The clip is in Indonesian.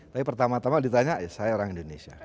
tapi pertama tama ditanya saya orang indonesia